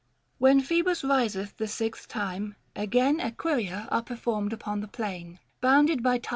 When Phoebus riseth the sixth time, again Equina are performed upon the plain Book III.